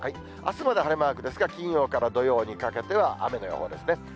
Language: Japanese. あすまで晴れマークですが、金曜から土曜にかけては雨の予報ですね。